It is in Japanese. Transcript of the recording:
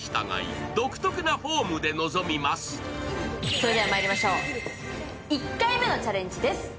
それではまいりましょう、１回目のチャレンジです